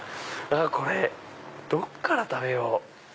これどっから食べよう？